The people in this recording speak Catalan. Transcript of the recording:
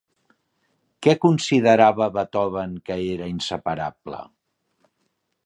Què considerava Beethoven que era inseparable?